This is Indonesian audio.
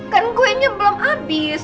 kan kuenya belum habis